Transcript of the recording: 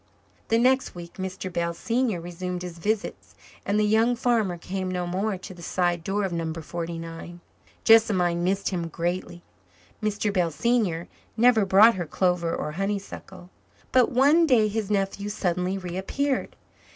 The next week Mr. Bell, senior, resumed his visits, and the young farmer came no more to the side door of No. 49. Jessamine missed him greatly. Mr. Bell, senior, never brought her clover or honeysuckle. But one day his nephew suddenly reappeared.